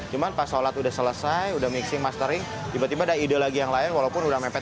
cuman pas sholat udah selesai udah mixing mastering tiba tiba ada ide lagi yang lain walaupun udah mepet